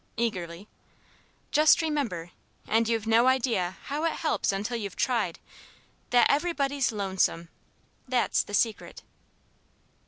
eagerly. "Just remember and you've no idea how it helps until you've tried that everybody's lonesome. That's the Secret."